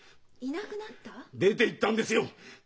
出ていったんですよ！